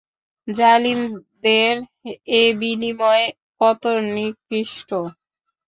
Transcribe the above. জালিমদের এ বিনিময় কত নিকৃষ্ট!